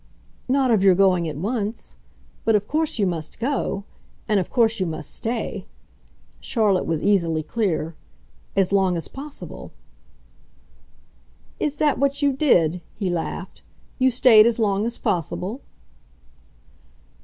"Not of your going at once. But of course you must go. And of course you must stay" Charlotte was easily clear "as long as possible." "Is that what you did?" he laughed. "You stayed as long as possible?"